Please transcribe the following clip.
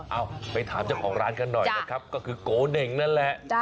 เอาไปถามเจ้าของร้านกันหน่อยนะครับก็คือโกเน่งนั่นแหละ